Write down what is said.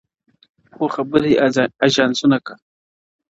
خو خبري آژانسونه ګ -